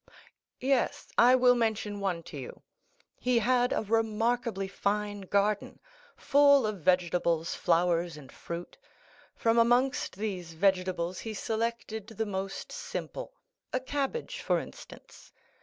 "Yes; I will mention one to you. He had a remarkably fine garden, full of vegetables, flowers, and fruit. From amongst these vegetables he selected the most simple—a cabbage, for instance.